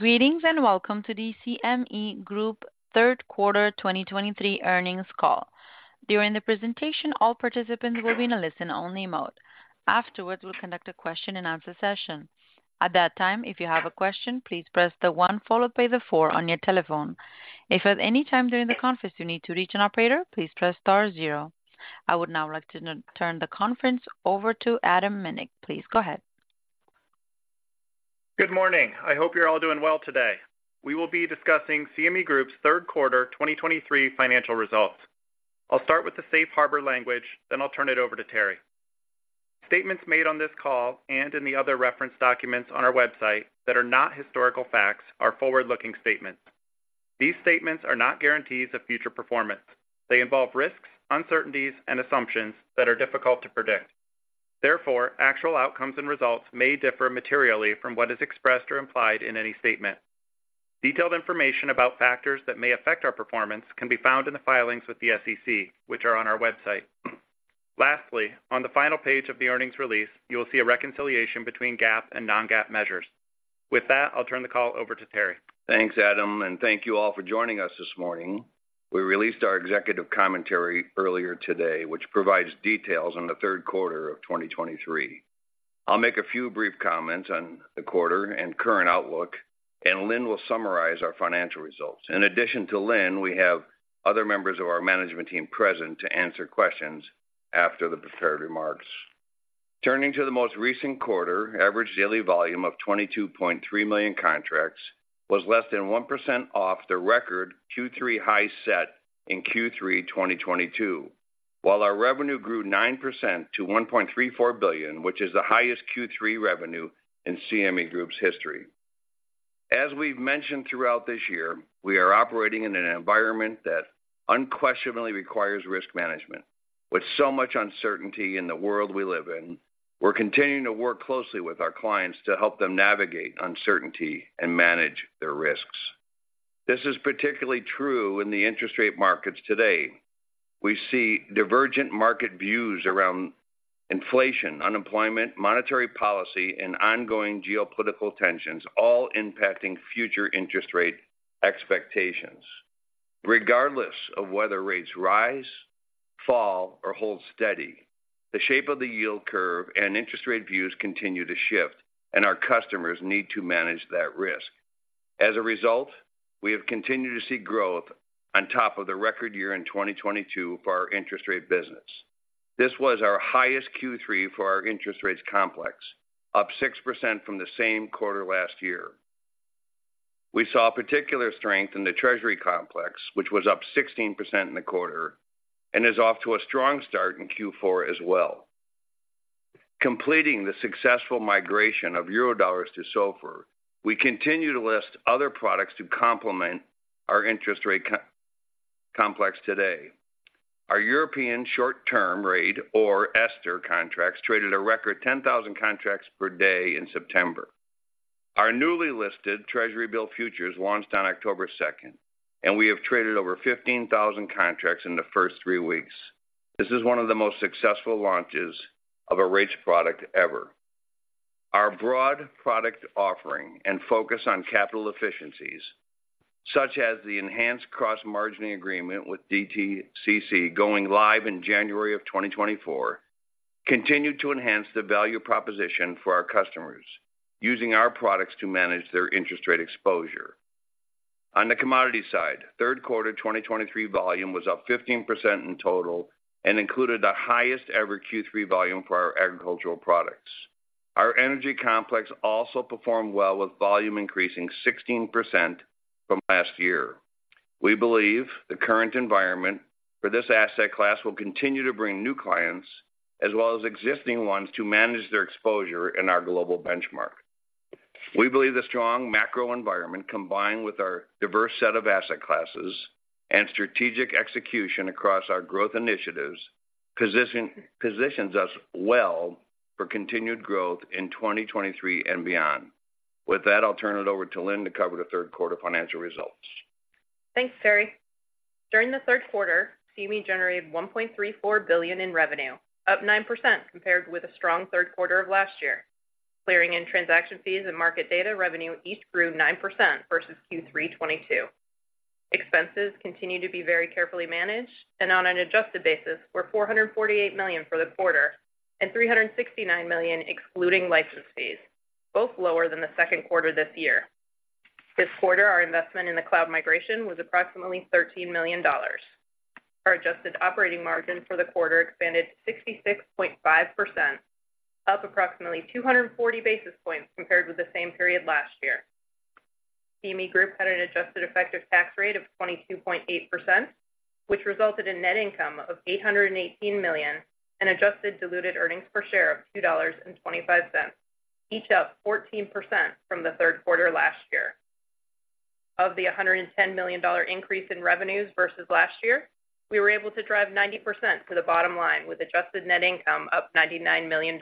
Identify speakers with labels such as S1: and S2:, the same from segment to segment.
S1: Greetings, and welcome to the CME Group Third Quarter 2023 Earnings Call. During the presentation, all participants will be in a listen-only mode. Afterwards, we'll conduct a question-and-answer session. At that time, if you have a question, please press the one followed by the four on your telephone. If at any time during the conference you need to reach an operator, please press star zero. I would now like to turn the conference over to Adam Minick. Please go ahead.
S2: Good morning. I hope you're all doing well today. We will be discussing CME Group's Third Quarter 2023 Financial Results. I'll start with the safe harbor language, then I'll turn it over to Terry. Statements made on this call and in the other reference documents on our website that are not historical facts are forward-looking statements. These statements are not guarantees of future performance. They involve risks, uncertainties, and assumptions that are difficult to predict. Therefore, actual outcomes and results may differ materially from what is expressed or implied in any statement. Detailed information about factors that may affect our performance can be found in the filings with the SEC, which are on our website. Lastly, on the final page of the earnings release, you will see a reconciliation between GAAP and non-GAAP measures. With that, I'll turn the call over to Terry.
S3: Thanks, Adam, and thank you all for joining us this morning. We released our executive commentary earlier today, which provides details on the third quarter of 2023. I'll make a few brief comments on the quarter and current outlook, and Lynne will summarize our financial results. In addition to Lynne, we have other members of our management team present to answer questions after the prepared remarks. Turning to the most recent quarter, average daily volume of 22.3 million contracts was less than 1% off the record Q3 high set in Q3 2022, while our revenue grew 9% to $1.34 billion, which is the highest Q3 revenue in CME Group's history. As we've mentioned throughout this year, we are operating in an environment that unquestionably requires risk management. With so much uncertainty in the world we live in, we're continuing to work closely with our clients to help them navigate uncertainty and manage their risks. This is particularly true in the interest rate markets today. We see divergent market views around inflation, unemployment, monetary policy, and ongoing geopolitical tensions, all impacting future interest rate expectations. Regardless of whether rates rise, fall, or hold steady, the shape of the yield curve and interest rate views continue to shift, and our customers need to manage that risk. As a result, we have continued to see growth on top of the record year in 2022 for our interest rate business. This was our highest Q3 for our interest rates complex, up 6% from the same quarter last year. We saw particular strength in the Treasury complex, which was up 16% in the quarter and is off to a strong start in Q4 as well. Completing the successful migration of Eurodollars to SOFR, we continue to list other products to complement our interest rate complex today. Our European Short-Term Rate or €STR contracts traded a record 10,000 contracts per day in September. Our newly listed Treasury Bill futures launched on October 2, and we have traded over 15,000 contracts in the first three weeks. This is one of the most successful launches of a rates product ever. Our broad product offering and focus on capital efficiencies, such as the enhanced cross-margining agreement with DTCC going live in January 2024, continued to enhance the value proposition for our customers using our products to manage their interest rate exposure. On the commodity side, third quarter 2023 volume was up 15% in total and included the highest ever Q3 volume for our agricultural products. Our energy complex also performed well, with volume increasing 16% from last year. We believe the current environment for this asset class will continue to bring new clients, as well as existing ones, to manage their exposure in our global benchmark. We believe the strong macro environment, combined with our diverse set of asset classes and strategic execution across our growth initiatives, positions us well for continued growth in 2023 and beyond. With that, I'll turn it over to Lynne to cover the third quarter financial results.
S4: Thanks, Terry. During the third quarter, CME generated $1.34 billion in revenue, up 9% compared with a strong third quarter of last year. Clearing and transaction fees and market data revenue each grew 9% versus Q3 2022. Expenses continued to be very carefully managed, and on an adjusted basis, were $448 million for the quarter and $369 million excluding license fees, both lower than the second quarter this year. This quarter, our investment in the cloud migration was approximately $13 million. Our adjusted operating margin for the quarter expanded 66.5%, up approximately 240 basis points compared with the same period last year. CME Group had an adjusted effective tax rate of 22.8%, which resulted in net income of $818 million and adjusted diluted earnings per share of $2.25, each up 14% from the third quarter last year. Of the $110 million increase in revenues versus last year, we were able to drive 90% to the bottom line, with adjusted net income up $99 million.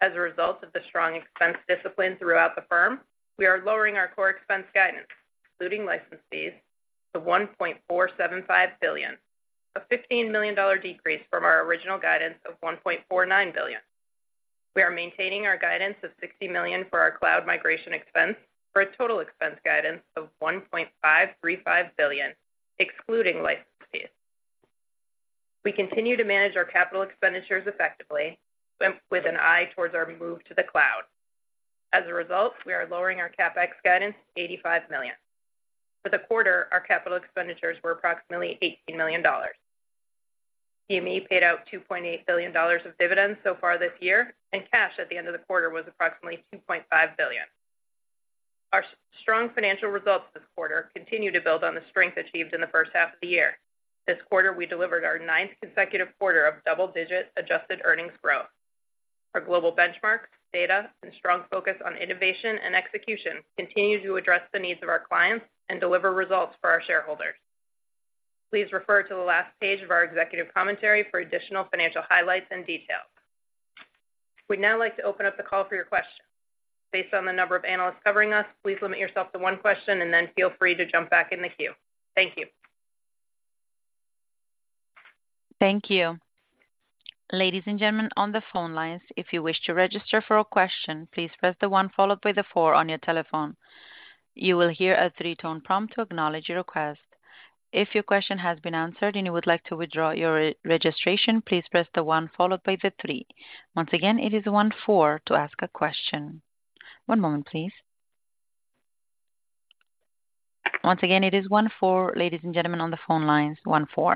S4: As a result of the strong expense discipline throughout the firm, we are lowering our core expense guidance, including license fees, to $1.475 billion, a $15 million decrease from our original guidance of $1.49 billion. We are maintaining our guidance of $60 million for our cloud migration expense, for a total expense guidance of $1.535 billion, excluding license fees. We continue to manage our capital expenditures effectively, with an eye towards our move to the cloud. As a result, we are lowering our CapEx guidance to $85 million. For the quarter, our capital expenditures were approximately $18 million. CME paid out $2.8 billion of dividends so far this year, and cash at the end of the quarter was approximately $2.5 billion. Our strong financial results this quarter continue to build on the strength achieved in the first half of the year. This quarter, we delivered our ninth consecutive quarter of double-digit adjusted earnings growth. Our global benchmarks, data, and strong focus on innovation and execution continue to address the needs of our clients and deliver results for our shareholders. Please refer to the last page of our executive commentary for additional financial highlights and details. We'd now like to open up the call for your questions. Based on the number of analysts covering us, please limit yourself to one question and then feel free to jump back in the queue. Thank you.
S1: Thank you. Ladies and gentlemen, on the phone lines, if you wish to register for a question, please press the one followed by the four on your telephone. You will hear a three-tone prompt to acknowledge your request. If your question has been answered and you would like to withdraw your re-registration, please press the one followed by the three. Once again, it is one-four to ask a question. One moment, please. Once again, it is one-four, ladies and gentlemen, on the phone lines, one-four.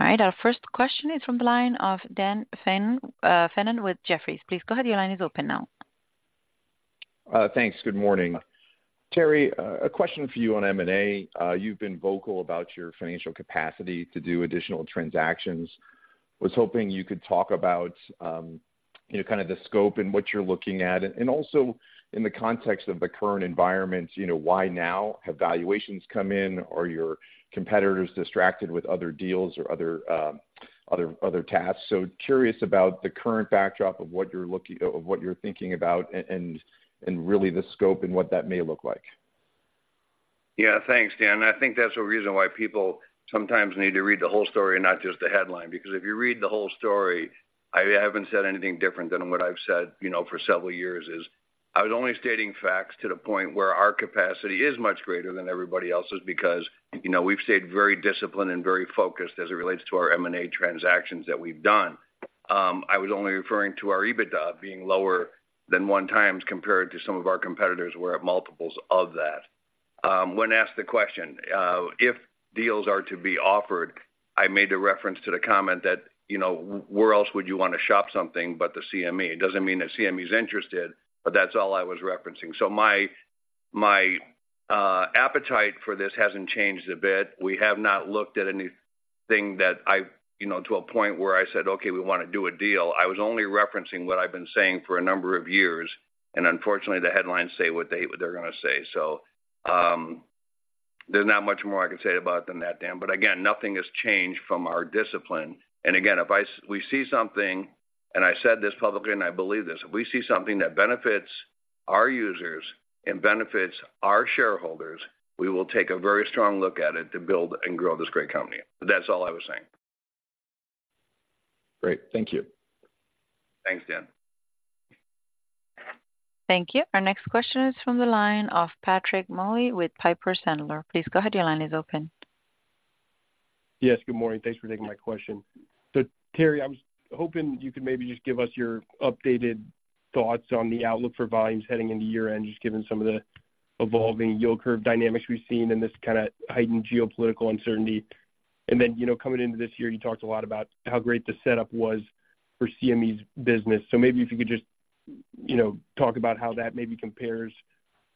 S1: All right, our first question is from the line of Dan Fannon with Jefferies. Please go ahead, your line is open now.
S5: Thanks. Good morning. Terry, a question for you on M&A. You've been vocal about your financial capacity to do additional transactions. I was hoping you could talk about, you know, kind of the scope and what you're looking at, and also in the context of the current environment, you know, why now? Have valuations come in? Are your competitors distracted with other deals or other tasks? So curious about the current backdrop of what you're thinking about and really the scope and what that may look like.
S3: Yeah, thanks, Dan. I think that's the reason why people sometimes need to read the whole story and not just the headline, because if you read the whole story, I haven't said anything different than what I've said, you know, for several years, is I was only stating facts to the point where our capacity is much greater than everybody else's, because, you know, we've stayed very disciplined and very focused as it relates to our M&A transactions that we've done. I was only referring to our EBITDA being lower than 1x, compared to some of our competitors, who are at multiples of that. When asked the question if deals are to be offered, I made a reference to the comment that, you know, where else would you want to shop something but the CME? It doesn't mean that CME is interested, but that's all I was referencing. So my, my, appetite for this hasn't changed a bit. We have not looked at anything that I, you know, to a point where I said, "Okay, we want to do a deal." I was only referencing what I've been saying for a number of years, and unfortunately, the headlines say what they're going to say. So, there's not much more I can say about it than that, Dan. But again, nothing has changed from our discipline. And again, we see something, and I said this publicly, and I believe this: If we see something that benefits our users and benefits our shareholders, we will take a very strong look at it to build and grow this great company. That's all I was saying.
S5: Great. Thank you.
S3: Thanks, Dan.
S1: Thank you. Our next question is from the line of Patrick Moley with Piper Sandler. Please go ahead, your line is open.
S6: Yes, good morning. Thanks for taking my question. So Terry, I was hoping you could maybe just give us your updated thoughts on the outlook for volumes heading into year-end, just given some of the evolving yield curve dynamics we've seen and this kind of heightened geopolitical uncertainty. And then, you know, coming into this year, you talked a lot about how great the setup was for CME's business. So maybe if you could just, you know, talk about how that maybe compares,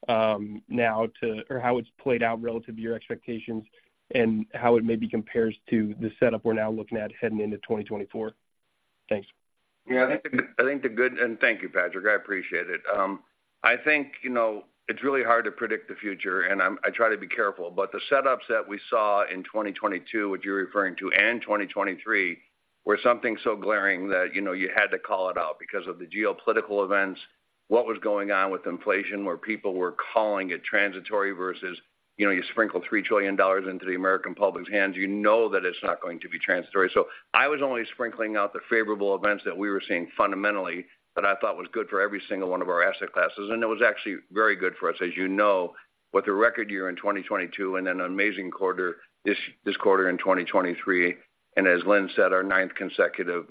S6: now to... Or how it's played out relative to your expectations and how it maybe compares to the setup we're now looking at heading into 2024. Thanks.
S3: Yeah, I think—and thank you, Patrick. I appreciate it. I think, you know, it's really hard to predict the future, and I try to be careful, but the setups that we saw in 2022, which you're referring to, and 2023, were something so glaring that, you know, you had to call it out because of the geopolitical events, what was going on with inflation, where people were calling it transitory versus, you know, you sprinkle $3 trillion into the American public's hands, you know that it's not going to be transitory. So I was only sprinkling out the favorable events that we were seeing fundamentally, that I thought was good for every single one of our asset classes, and it was actually very good for us. As you know, with a record year in 2022 and an amazing quarter this quarter in 2023, and as Lynne said, our ninth consecutive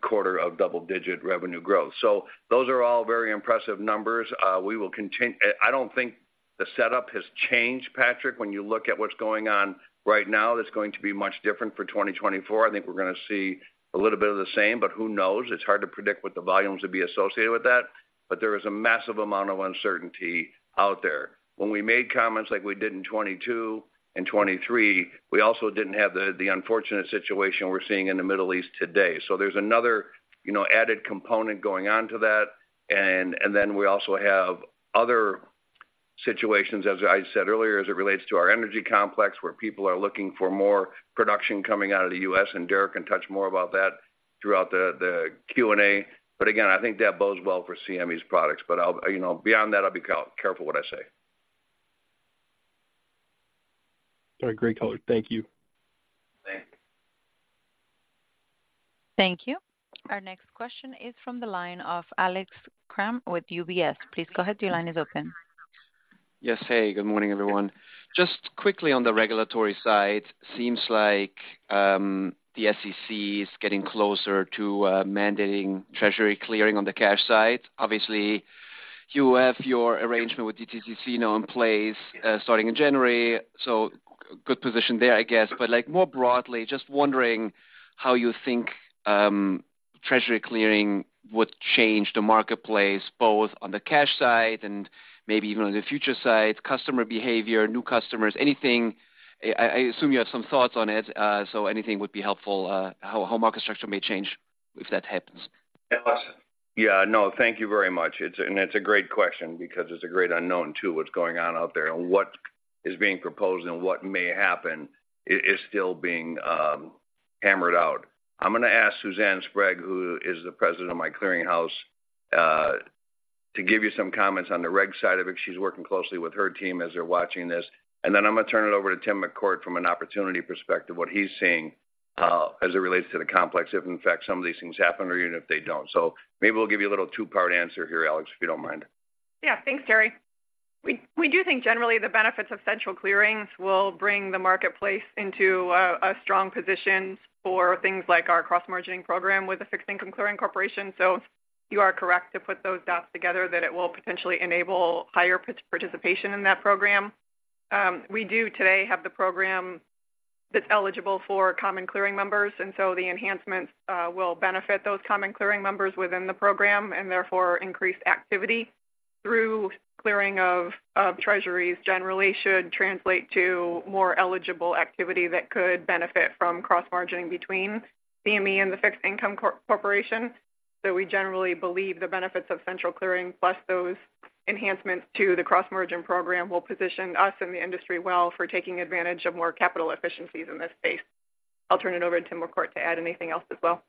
S3: quarter of double-digit revenue growth. So those are all very impressive numbers. I don't think the setup has changed, Patrick. When you look at what's going on right now, that's going to be much different for 2024. I think we're going to see a little bit of the same, but who knows? It's hard to predict what the volumes would be associated with that, but there is a massive amount of uncertainty out there. When we made comments like we did in 2022 and 2023, we also didn't have the unfortunate situation we're seeing in the Middle East today. So there's another, you know, added component going on to that. And then we also have other situations, as I said earlier, as it relates to our energy complex, where people are looking for more production coming out of the U.S., and Derek can touch more about that throughout the Q&A. But again, I think that bodes well for CME's products. But I'll, you know, beyond that, I'll be careful what I say.
S6: All right, great color. Thank you.
S3: Thanks.
S1: Thank you. Our next question is from the line of Alex Kramm with UBS. Please go ahead, your line is open.
S7: Yes. Hey, good morning, everyone. Just quickly on the regulatory side, seems like, the SEC is getting closer to mandating Treasury clearing on the cash side. Obviously, you have your arrangement with DTCC now in place, starting in January, so good position there, I guess. But, like, more broadly, just wondering how you think, Treasury clearing would change the marketplace, both on the cash side and maybe even on the futures side, customer behavior, new customers, anything... I, I assume you have some thoughts on it, so anything would be helpful, how, how market structure may change if that happens?
S3: Yeah, no, thank you very much. It's and it's a great question because it's a great unknown, too, what's going on out there and what is being proposed and what may happen is still being hammered out. I'm going to ask Suzanne Sprague, who is the president of my clearinghouse, to give you some comments on the reg side of it. She's working closely with her team as they're watching this. And then I'm going to turn it over to Tim McCourt from an opportunity perspective, what he's seeing, as it relates to the complex, if in fact, some of these things happen, or even if they don't. So maybe we'll give you a little two-part answer here, Alex, if you don't mind.
S8: Yeah. Thanks, Terry. We do think generally the benefits of central clearings will bring the marketplace into a strong position for things like our cross-margining program with the Fixed Income Clearing Corporation. So you are correct to put those dots together, that it will potentially enable higher participation in that program. We do today have the program that's eligible for common clearing members, and so the enhancements will benefit those common clearing members within the program, and therefore, increased activity through clearing of Treasuries generally should translate to more eligible activity that could benefit from cross-margining between CME and the Fixed Income Corporation. So we generally believe the benefits of central clearing, plus those enhancements to the cross-margin program, will position us and the industry well for taking advantage of more capital efficiencies in this space. I'll turn it over to Tim McCourt to add anything else as well.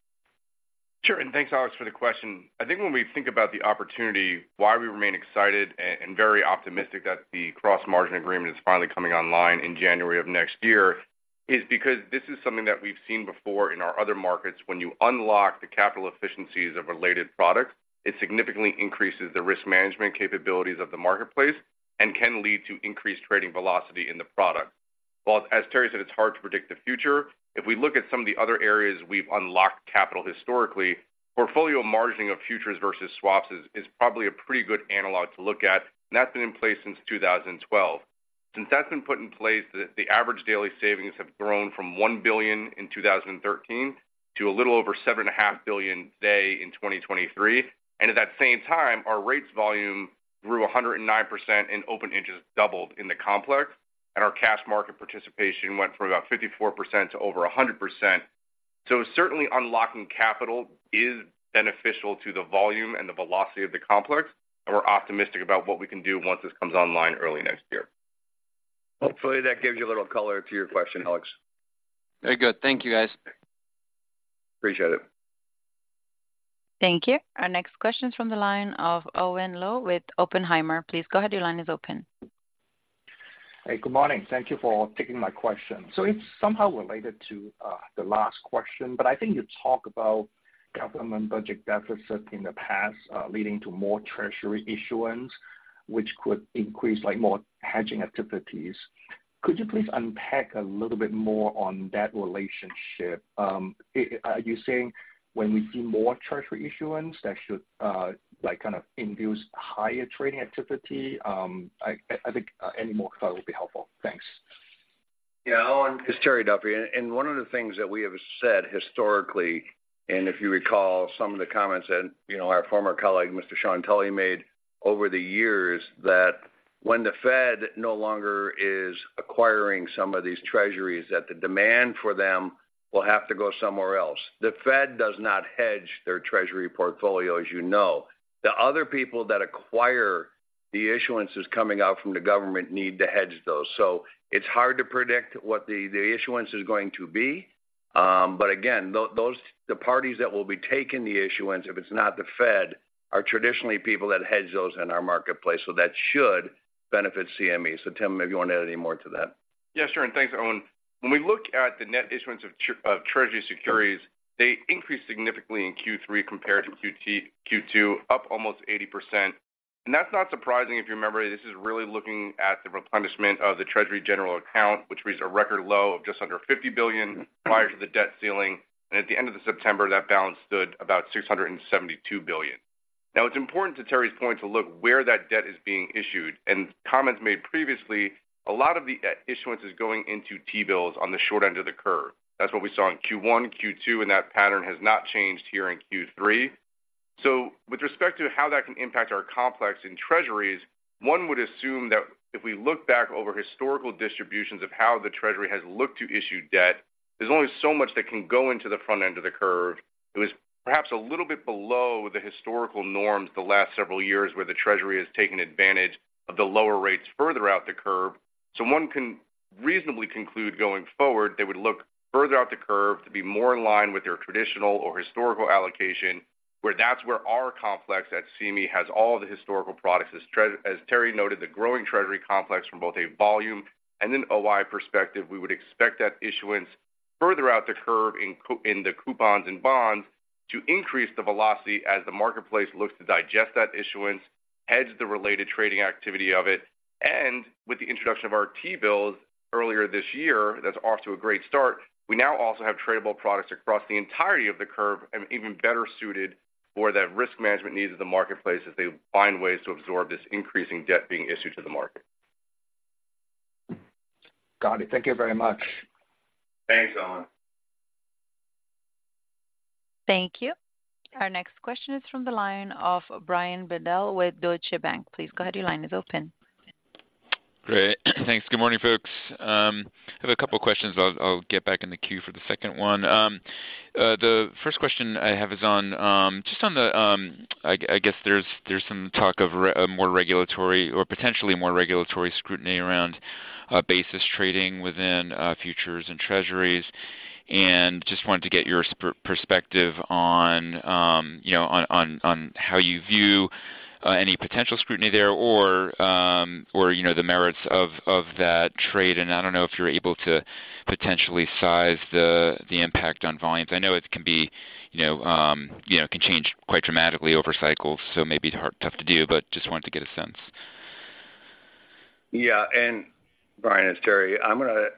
S9: Sure, and thanks, Alex, for the question. I think when we think about the opportunity, why we remain excited and, and very optimistic that the cross-margin agreement is finally coming online in January of next year, is because this is something that we've seen before in our other markets. When you unlock the capital efficiencies of a related product, it significantly increases the risk management capabilities of the marketplace and can lead to increased trading velocity in the product. While, as Terry said, it's hard to predict the future, if we look at some of the other areas we've unlocked capital historically, portfolio margining of futures versus swaps is, is probably a pretty good analog to look at, and that's been in place since 2012. Since that's been put in place, the average daily savings have grown from $1 billion in 2013 to a little over $7.5 billion today in 2023. And at that same time, our rates volume grew 109%, and open interest doubled in the complex, and our cash market participation went from about 54% to over 100%. So certainly unlocking capital is beneficial to the volume and the velocity of the complex, and we're optimistic about what we can do once this comes online early next year.
S3: Hopefully, that gives you a little color to your question, Alex.
S7: Very good. Thank you, guys.
S3: Appreciate it.
S1: Thank you. Our next question is from the line of Owen Lau with Oppenheimer. Please go ahead, your line is open.
S10: Hey, good morning. Thank you for taking my question. So it's somehow related to the last question, but I think you talk about government budget deficit in the past leading to more Treasury issuance, which could increase, like, more hedging activities. Could you please unpack a little bit more on that relationship? Are you saying when we see more Treasury issuance, that should, like, kind of induce higher trading activity? I think any more color would be helpful. Thanks.
S3: Yeah, Owen, it's Terry Duffy. And one of the things that we have said historically, and if you recall some of the comments that, you know, our former colleague, Mr. Sean Tully, made over the years, that when the Fed no longer is acquiring some of these treasuries, that the demand for them will have to go somewhere else. The Fed does not hedge their Treasury portfolio as you know. The other people that acquire the issuances coming out from the government need to hedge those. So it's hard to predict what the issuance is going to be. But again, those the parties that will be taking the issuance, if it's not the Fed, are traditionally people that hedge those in our marketplace, so that should benefit CME. So, Tim, maybe you want to add any more to that?
S9: Yeah, sure, and thanks, Owen. When we look at the net issuance of Treasury securities, they increased significantly in Q3 compared to Q2, up almost 80%. That's not surprising. If you remember, this is really looking at the replenishment of the Treasury General Account, which reached a record low of just under $50 billion prior to the debt ceiling, and at the end of September, that balance stood about $672 billion. Now, it's important, to Terry's point, to look where that debt is being issued, and comments made previously, a lot of the issuance is going into T-bills on the short end of the curve. That's what we saw in Q1, Q2, and that pattern has not changed here in Q3. So with respect to how that can impact our complex in Treasuries, one would assume that if we look back over historical distributions of how the Treasury has looked to issue debt, there's only so much that can go into the front end of the curve. It was perhaps a little bit below the historical norms the last several years, where the Treasury has taken advantage of the lower rates further out the curve. So one can reasonably conclude going forward, they would look further out the curve to be more in line with their traditional or historical allocation, where that's where our complex at CME has all the historical products. As Terry noted, the growing Treasury complex from both a volume and an OI perspective, we would expect that issuance further out the curve in the coupons and bonds to increase the velocity as the marketplace looks to digest that issuance, hedge the related trading activity of it, and with the introduction of our T-bills earlier this year, that's off to a great start. We now also have tradable products across the entirety of the curve and even better suited for that risk management needs of the marketplace as they find ways to absorb this increasing debt being issued to the market.
S10: Got it. Thank you very much.
S9: Thanks, Owen.
S1: Thank you. Our next question is from the line of Brian Bedell with Deutsche Bank. Please go ahead, your line is open.
S11: Great. Thanks. Good morning, folks. I have a couple questions. I'll get back in the queue for the second one. The first question I have is on just on the, I guess there's some talk of more regulatory or potentially more regulatory scrutiny around basis trading within futures and Treasuries. And just wanted to get your perspective on, you know, on, on, on how you view any potential scrutiny there or, or, you know, the merits of that trade. And I don't know if you're able to potentially size the impact on volumes. I know it can be, you know, you know, can change quite dramatically over cycles, so it may be hard, tough to do, but just wanted to get a sense.
S3: Yeah, and Brian, it's Terry. I'm going to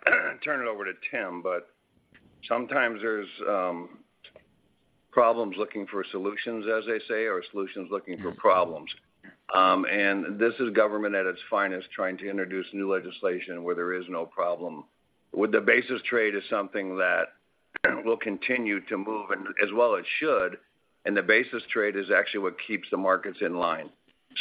S3: turn it over to Tim, but sometimes there's problems looking for solutions, as they say, or solutions looking for problems. And this is government at its finest, trying to introduce new legislation where there is no problem. With the basis trade is something that will continue to move and as well it should, and the basis trade is actually what keeps the markets in line.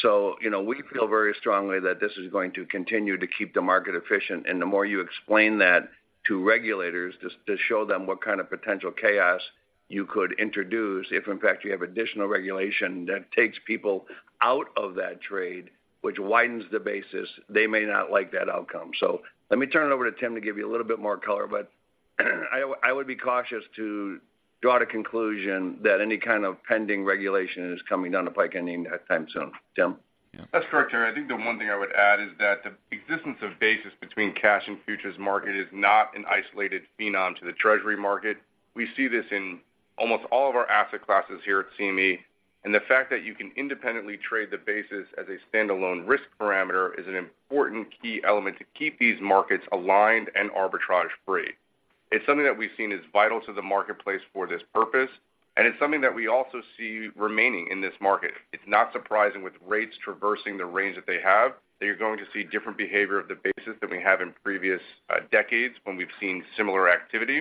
S3: So, you know, we feel very strongly that this is going to continue to keep the market efficient, and the more you explain that to regulators, just to show them what kind of potential chaos you could introduce, if in fact, you have additional regulation that takes people out of that trade, which widens the basis, they may not like that outcome. So let me turn it over to Tim to give you a little bit more color, but I would be cautious to draw the conclusion that any kind of pending regulation is coming down the pike anytime soon. Tim?
S9: That's correct, Terry. I think the one thing I would add is that the existence of basis between cash and futures market is not an isolated phenomenon to the Treasury market. We see this in almost all of our asset classes here at CME. The fact that you can independently trade the basis as a standalone risk parameter is an important key element to keep these markets aligned and arbitrage-free. It's something that we've seen is vital to the marketplace for this purpose, and it's something that we also see remaining in this market. It's not surprising with rates traversing the range that they have, that you're going to see different behavior of the basis than we have in previous decades when we've seen similar activity.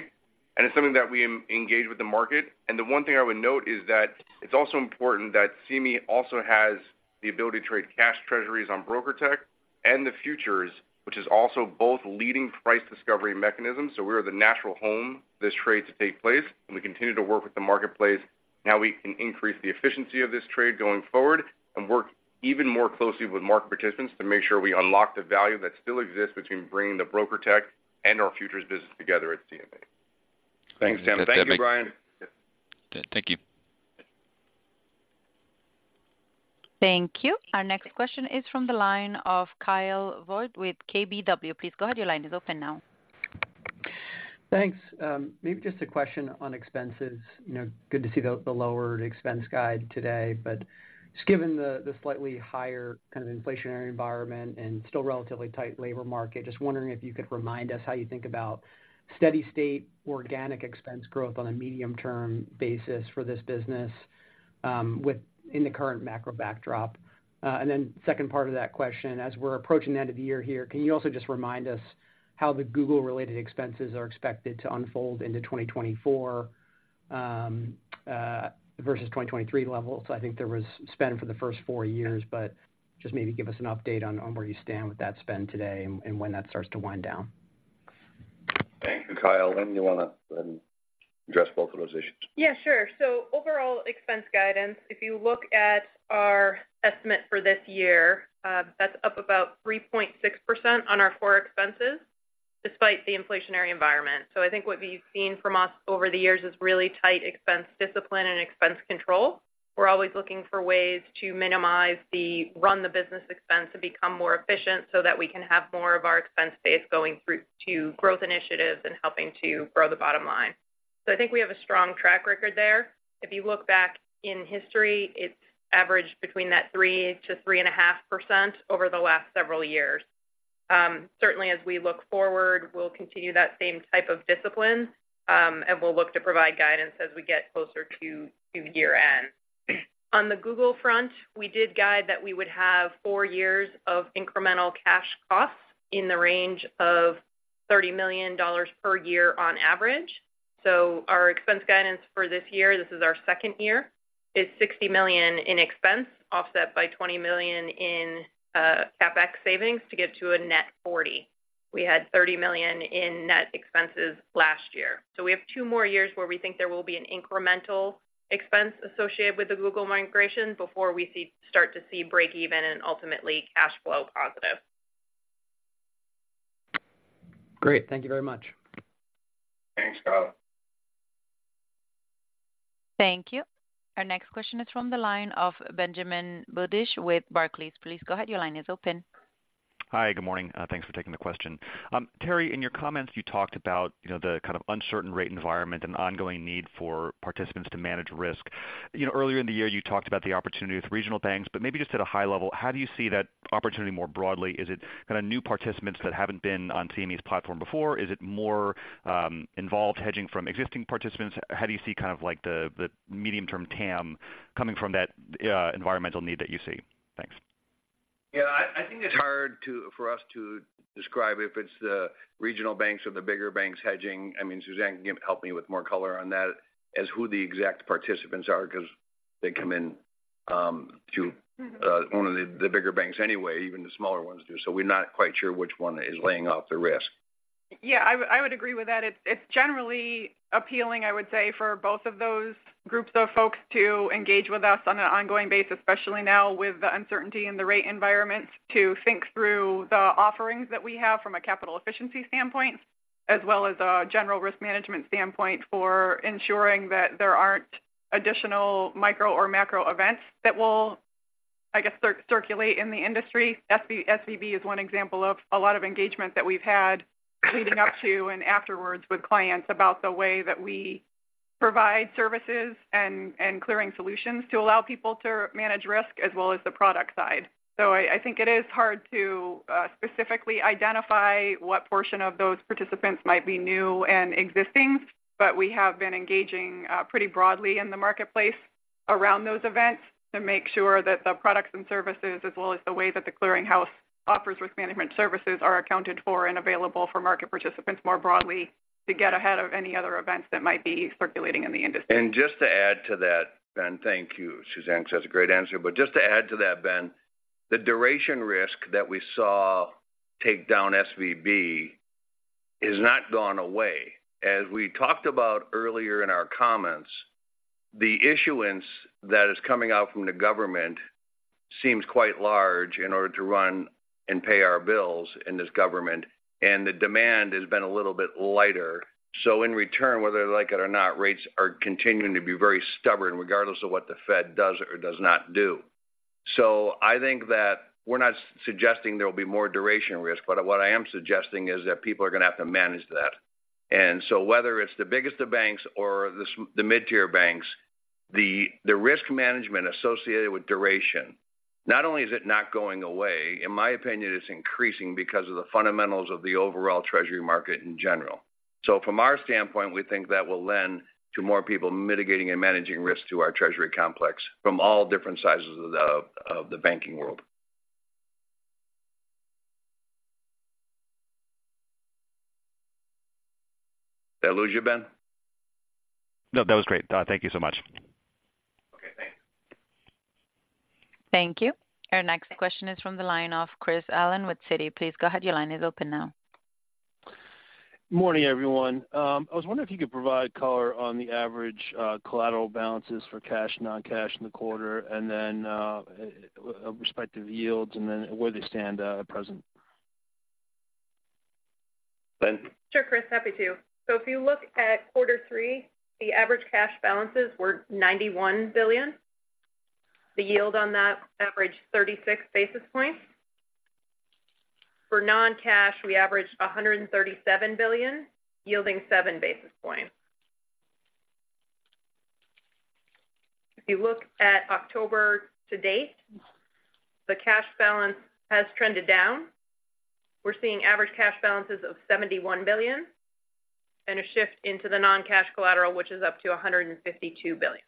S9: It's something that we engage with the market. The one thing I would note is that it's also important that CME also has the ability to trade cash Treasuries on BrokerTec and the futures, which is also both leading price discovery mechanisms. So we are the natural home, this trade to take place, and we continue to work with the marketplace. Now, we can increase the efficiency of this trade going forward and work even more closely with market participants to make sure we unlock the value that still exists between bringing the BrokerTec and our futures business together at CME.
S11: Thanks, Tim.
S3: Thank you, Brian.
S11: Thank you.
S1: Thank you. Our next question is from the line of Kyle Voigt with KBW. Please go ahead, your line is open now.
S12: Thanks. Maybe just a question on expenses. You know, good to see the lower expense guide today, but just given the slightly higher kind of inflationary environment and still relatively tight labor market, just wondering if you could remind us how you think about steady-state organic expense growth on a medium-term basis for this business, with in the current macro backdrop? And then second part of that question, as we're approaching the end of the year here, can you also just remind us how the Google-related expenses are expected to unfold into 2024, versus 2023 levels? I think there was spend for the first four years, but just maybe give us an update on where you stand with that spend today and when that starts to wind down.
S3: Thank you, Kyle. Lynne, you want to address both of those issues?
S4: Yeah, sure. So overall expense guidance, if you look at our estimate for this year, that's up about 3.6% on our core expenses, despite the inflationary environment. So I think what we've seen from us over the years is really tight expense discipline and expense control. We're always looking for ways to minimize the run the business expense and become more efficient so that we can have more of our expense base going through to growth initiatives and helping to grow the bottom line. So I think we have a strong track record there. If you look back in history, it's averaged between that 3%-3.5% over the last several years. Certainly, as we look forward, we'll continue that same type of discipline, and we'll look to provide guidance as we get closer to year-end. On the Google front, we did guide that we would have 4 years of incremental cash costs in the range of $30 million per year on average. So our expense guidance for this year, this is our second year, is $60 million in expense, offset by $20 million in CapEx savings to get to a net $40. We had $30 million in net expenses last year. So we have two more years where we think there will be an incremental expense associated with the Google migration before we start to see break even and ultimately cash flow positive.
S12: Great. Thank you very much.
S3: Thanks, Kyle.
S1: Thank you. Our next question is from the line of Benjamin Budish with Barclays. Please go ahead. Your line is open.
S13: Hi, good morning. Thanks for taking the question. Terry, in your comments, you talked about, you know, the kind of uncertain rate environment and ongoing need for participants to manage risk. You know, earlier in the year, you talked about the opportunity with regional banks, but maybe just at a high level, how do you see that opportunity more broadly? Is it kind of new participants that haven't been on CME's platform before? Is it more involved hedging from existing participants? How do you see kind of like the, the medium-term TAM coming from that environmental need that you see? Thanks.
S3: Yeah, I think it's hard to for us to describe if it's the regional banks or the bigger banks hedging. I mean, Suzanne can help me with more color on that, as who the exact participants are, because they come in to one of the bigger banks anyway, even the smaller ones do. So we're not quite sure which one is laying off the risk.
S8: Yeah, I would, I would agree with that. It's, it's generally appealing, I would say, for both of those groups of folks to engage with us on an ongoing basis, especially now with the uncertainty in the rate environment, to think through the offerings that we have from a capital efficiency standpoint, as well as a general risk management standpoint for ensuring that there aren't additional micro or macro events that will, I guess, circulate in the industry. SVB is one example of a lot of engagement that we've had leading up to and afterwards with clients about the way that we provide services and clearing solutions to allow people to manage risk as well as the product side. So I think it is hard to specifically identify what portion of those participants might be new and existing, but we have been engaging pretty broadly in the marketplace around those events to make sure that the products and services, as well as the way that the clearinghouse offers risk management services, are accounted for and available for market participants more broadly to get ahead of any other events that might be circulating in the industry.
S3: Just to add to that, Ben, thank you, Suzanne, because that's a great answer. But just to add to that, Ben, the duration risk that we saw take down SVB has not gone away. As we talked about earlier in our comments, the issuance that is coming out from the government seems quite large in order to run and pay our bills in this government, and the demand has been a little bit lighter. So in return, whether they like it or not, rates are continuing to be very stubborn, regardless of what the Fed does or does not do. So I think that we're not suggesting there will be more duration risk, but what I am suggesting is that people are going to have to manage that. And so whether it's the biggest of banks or the mid-tier banks, the risk management associated with duration, not only is it not going away, in my opinion, it's increasing because of the fundamentals of the overall Treasury market in general. So from our standpoint, we think that will lend to more people mitigating and managing risk to our Treasury complex from all different sizes of the banking world. Did I lose you, Ben?
S13: No, that was great. Thank you so much.
S3: Okay, thanks.
S1: Thank you. Our next question is from the line of Chris Allen with Citi. Please go ahead. Your line is open now.
S14: Morning, everyone. I was wondering if you could provide color on the average collateral balances for cash, non-cash in the quarter, and then respective yields, and then where they stand at present.
S3: Lynne?
S4: Sure, Chris, happy to. So if you look at quarter three, the average cash balances were $91 billion. The yield on that averaged 36 basis points. For non-cash, we averaged $137 billion, yielding 7 basis points. If you look at October to date, the cash balance has trended down. We're seeing average cash balances of $71 billion and a shift into the non-cash collateral, which is up to $152 billion.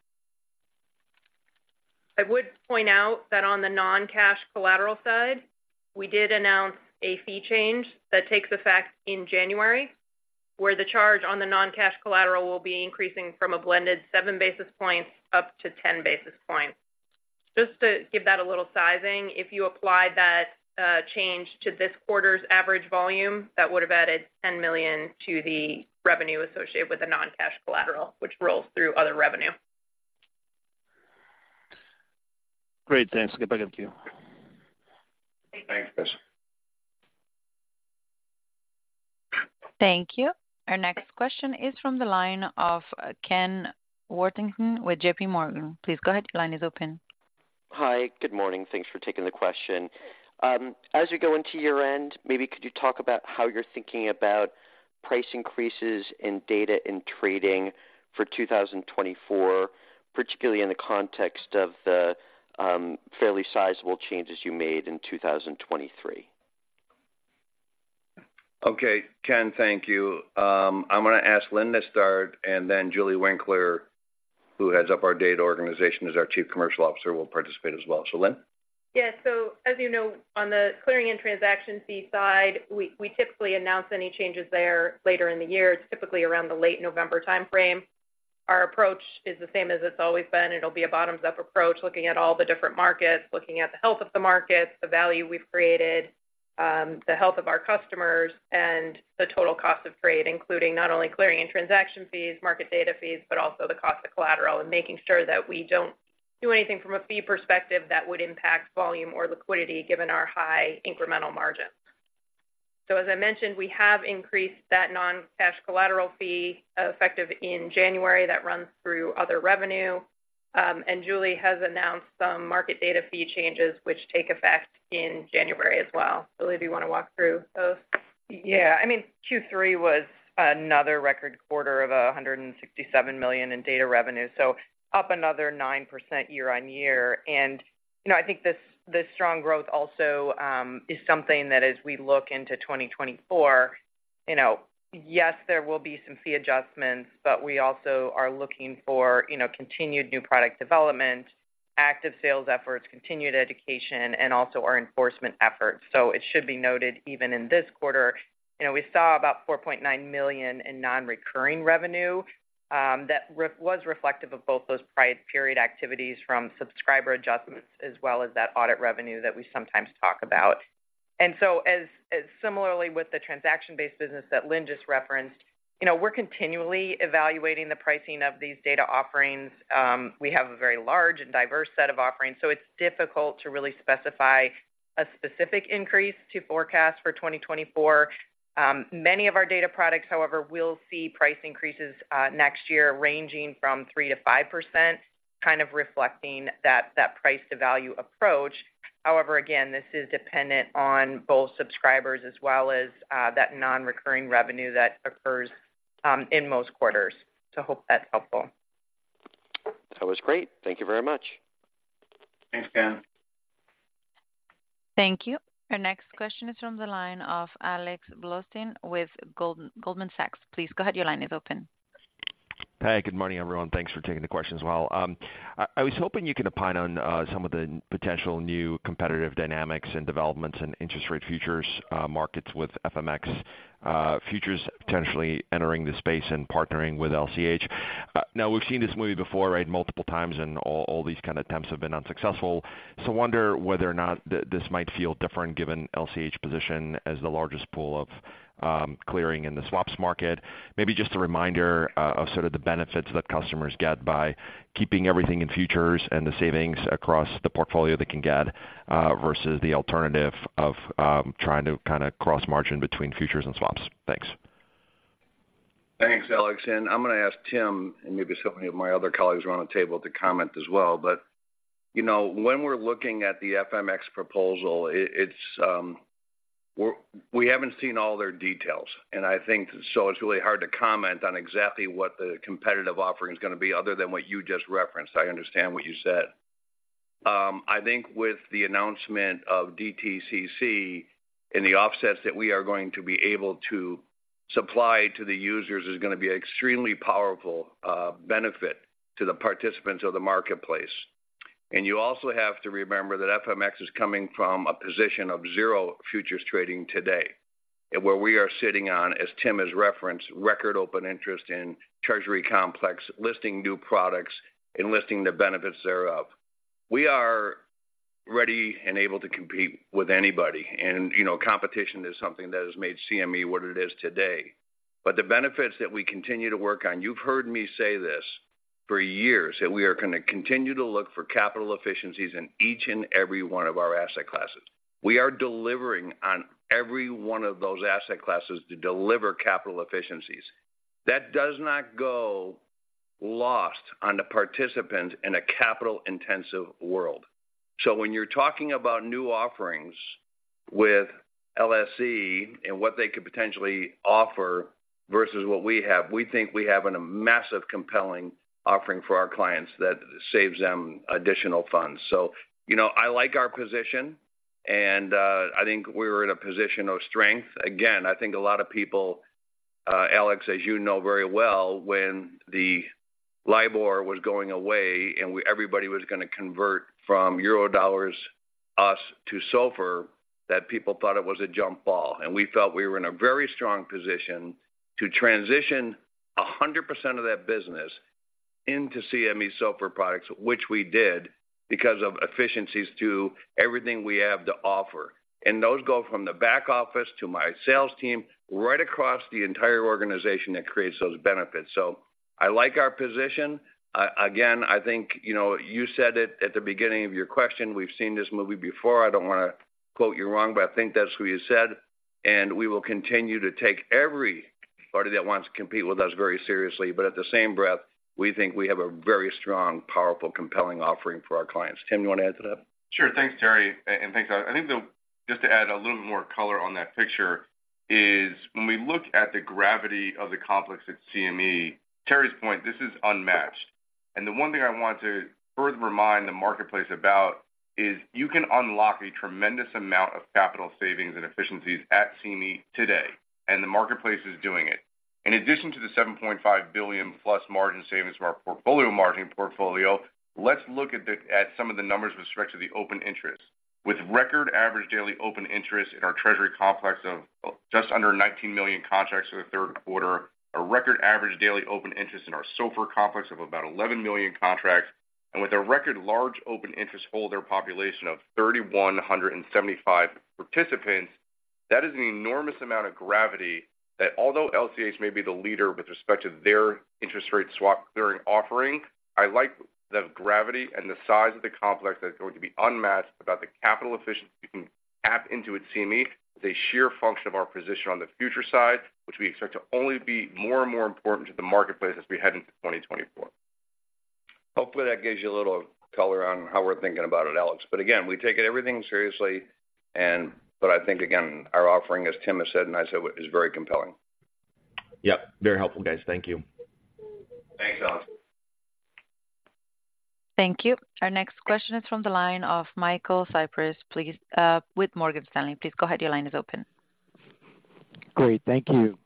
S4: I would point out that on the non-cash collateral side, we did announce a fee change that takes effect in January, where the charge on the non-cash collateral will be increasing from a blended 7 basis points up to 10 basis points. Just to give that a little sizing, if you applied that change to this quarter's average volume, that would have added $10 million to the revenue associated with the non-cash collateral, which rolls through other revenue.
S14: Great, thanks. Back at you.
S3: Thanks, Chris.
S1: Thank you. Our next question is from the line of Ken Worthington with JPMorgan. Please go ahead. Your line is open.
S15: Hi, good morning. Thanks for taking the question. As you go into year-end, maybe could you talk about how you're thinking about price increases in data and trading for 2024, particularly in the context of the fairly sizable changes you made in 2023?
S3: Okay, Ken, thank you. I'm going to ask Lynne to start, and then Julie Winkler, who heads up our data organization as our Chief Commercial Officer, will participate as well. So, Lynne?
S4: Yeah. So as you know, on the clearing and transaction fee side, we typically announce any changes there later in the year. It's typically around the late November timeframe. Our approach is the same as it's always been. It'll be a bottoms-up approach, looking at all the different markets, looking at the health of the markets, the value we've created, the health of our customers, and the total cost of trade, including not only clearing and transaction fees, market data fees, but also the cost of collateral and making sure that we don't do anything from a fee perspective that would impact volume or liquidity, given our high incremental margins. So as I mentioned, we have increased that non-cash collateral fee, effective in January, that runs through other revenue. And Julie has announced some market data fee changes, which take effect in January as well. Julie, do you want to walk through those?
S16: Yeah, I mean, Q3 was another record quarter of $167 million in data revenue, so up another 9% year-on-year. And, you know, I think this, this strong growth also is something that as we look into 2024, you know, yes, there will be some fee adjustments, but we also are looking for, you know, continued new product development, active sales efforts, continued education, and also our enforcement efforts. So it should be noted, even in this quarter, you know, we saw about $4.9 million in non-recurring revenue that was reflective of both those prior period activities from subscriber adjustments as well as that audit revenue that we sometimes talk about. And so, similarly with the transaction-based business that Lynne just referenced, you know, we're continually evaluating the pricing of these data offerings. We have a very large and diverse set of offerings, so it's difficult to really specify a specific increase to forecast for 2024. Many of our data products, however, will see price increases next year ranging from 3%-5%, kind of reflecting that, that price-to-value approach. However, again, this is dependent on both subscribers as well as that non-recurring revenue that occurs in most quarters. So I hope that's helpful.
S15: That was great. Thank you very much.
S3: Thanks, Ken.
S1: Thank you. Our next question is from the line of Alex Blostein with Goldman Sachs. Please go ahead, your line is open.
S17: Hey, good morning, everyone. Thanks for taking the questions as well. I was hoping you could opine on some of the potential new competitive dynamics and developments in interest rate futures markets with FMX futures potentially entering the space and partnering with LCH. Now, we've seen this movie before, right, multiple times, and all these kind of attempts have been unsuccessful. So I wonder whether or not this might feel different given LCH's position as the largest pool of clearing in the swaps market. Maybe just a reminder of sort of the benefits that customers get by keeping everything in futures and the savings across the portfolio they can get versus the alternative of trying to kind of cross-margin between futures and swaps. Thanks.
S3: Thanks, Alex. I'm going to ask Tim, and maybe some of my other colleagues around the table to comment as well, but you know, when we're looking at the FMX proposal, we haven't seen all their details, and I think so it's really hard to comment on exactly what the competitive offering is going to be other than what you just referenced. I understand what you said. I think with the announcement of DTCC and the offsets that we are going to be able to supply to the users is going to be extremely powerful benefit to the participants of the marketplace. You also have to remember that FMX is coming from a position of zero futures trading today, and where we are sitting on, as Tim has referenced, record open interest in Treasury complex, listing new products and listing the benefits thereof. We are ready and able to compete with anybody, and, you know, competition is something that has made CME what it is today. But the benefits that we continue to work on, you've heard me say this for years, that we are going to continue to look for capital efficiencies in each and every one of our asset classes. We are delivering on every one of those asset classes to deliver capital efficiencies. That does not go lost on the participant in a capital-intensive world. So when you're talking about new offerings with LSE and what they could potentially offer versus what we have, we think we have a massive, compelling offering for our clients that saves them additional funds. So, you know, I like our position, and I think we're in a position of strength. Again, I think a lot of people, Alex, as you know very well, when the LIBOR was going away and everybody was going to convert from Eurodollars, us to SOFR, that people thought it was a jump ball. And we felt we were in a very strong position to transition 100% of that business into CME SOFR products, which we did, because of efficiencies to everything we have to offer. And those go from the back office to my sales team, right across the entire organization that creates those benefits. So I like our position. Again, I think, you know, you said it at the beginning of your question, we've seen this movie before. I don't want to quote you wrong, but I think that's what you said, and we will continue to take every party that wants to compete with us very seriously. But at the same breath, we think we have a very strong, powerful, compelling offering for our clients. Tim, you want to add to that?
S9: Sure. Thanks, Terry, and thanks, Alex. I think just to add a little more color on that picture is when we look at the gravity of the complex at CME, Terry's point, this is unmatched. And the one thing I want to further remind the marketplace about is you can unlock a tremendous amount of capital savings and efficiencies at CME today, and the marketplace is doing it. In addition to the $7.5 billion+ margin savings from our portfolio margin portfolio, let's look at some of the numbers with respect to the open interest. With record average daily open interest in our Treasury complex of just under 19 million contracts for the third quarter, a record average daily open interest in our SOFR complex of about 11 million contracts, and with a record large open interest holder population of 3,175 participants, that is an enormous amount of gravity that although LCH may be the leader with respect to their interest rate swap clearing offering, I like the gravity and the size of the complex that is going to be unmatched about the capital efficiency we can tap into at CME, the sheer function of our position on the future side, which we expect to only be more and more important to the marketplace as we head into 2024.
S3: Hopefully, that gives you a little color on how we're thinking about it, Alex. But again, we take everything seriously and, but I think, again, our offering, as Tim has said and I said, is very compelling.
S17: Yep, very helpful, guys. Thank you.
S3: Thanks, Alex.
S1: Thank you. Our next question is from the line of Michael Cyprys, please, with Morgan Stanley. Please go ahead. Your line is open.
S18: Great. Thank you.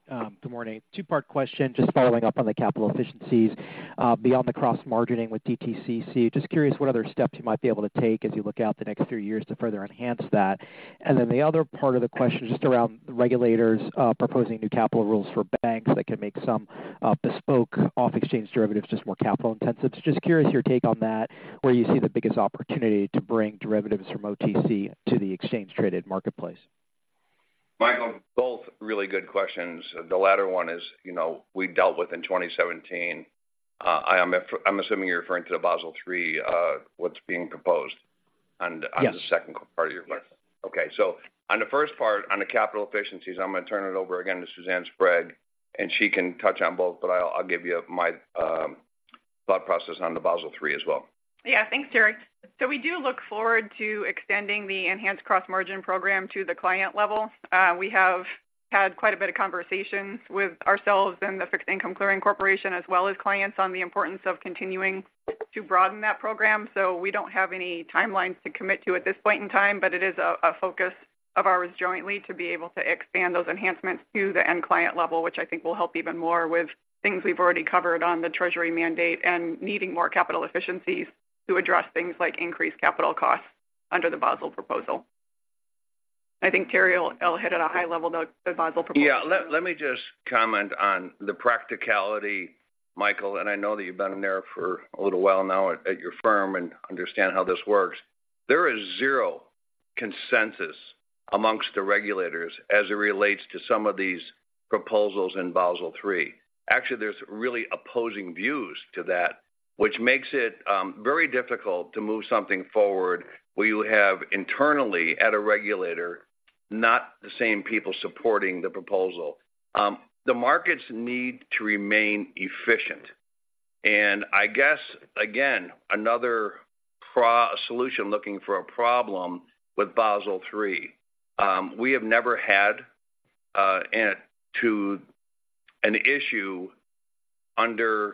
S18: Good morning. Two-part question, just following up on the capital efficiencies, beyond the cross-margining with DTCC. Just curious what other steps you might be able to take as you look out the next three years to further enhance that. And then the other part of the question, just around regulators, proposing new capital rules for banks that could make some, bespoke off-exchange derivatives, just more capital intensive. Just curious, your take on that, where you see the biggest opportunity to bring derivatives from OTC to the exchange-traded marketplace.
S3: Michael, both really good questions. The latter one is, you know, we dealt with in 2017. I'm assuming you're referring to the Basel III, what's being proposed on-
S18: Yes.
S3: On the second part of your question. Okay. So on the first part, on the capital efficiencies, I'm going to turn it over again to Suzanne Sprague, and she can touch on both, but I'll give you my thought process on the Basel III as well.
S8: Yeah, thanks, Terry. So we do look forward to extending the enhanced cross-margin program to the client level. We have had quite a bit of conversations with ourselves and the Fixed Income Clearing Corporation, as well as clients, on the importance of continuing to broaden that program. So we don't have any timelines to commit to at this point in time, but it is a focus of ours jointly, to be able to expand those enhancements to the end client level, which I think will help even more with things we've already covered on the Treasury mandate and needing more capital efficiencies to address things like increased capital costs under the Basel proposal. I think Terry will hit at a high level, the Basel proposal.
S3: Yeah, let me just comment on the practicality, Michael, and I know that you've been in there for a little while now at your firm and understand how this works. There is zero consensus among the regulators as it relates to some of these proposals in Basel III. Actually, there's really opposing views to that, which makes it very difficult to move something forward, where you have internally at a regulator, not the same people supporting the proposal. The markets need to remain efficient, and I guess, again, another problem solution looking for a problem with Basel III. We have never had an issue under